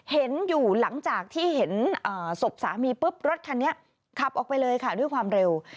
เห็นอยู่หลังจากที่เห็นศพสามีปุ๊บรถคันนี้ขับออกไปเลยค่ะด้วยความเร็ว